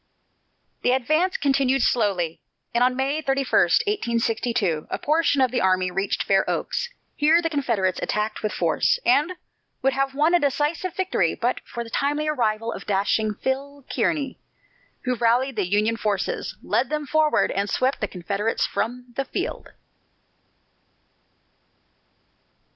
The advance continued slowly, and on May 31, 1862, a portion of the army reached Fair Oaks. Here the Confederates attacked with force, and would have won a decisive victory but for the timely arrival of dashing "Phil" Kearny, who rallied the Union forces, led them forward, and swept the Confederates from the field.